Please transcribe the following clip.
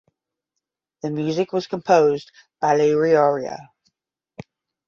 The music was composed by Ilaiyaraaja.